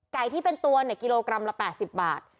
ไก่ที่เป็นตัวเนี่ยกิโลกรัมละ๘๐บาท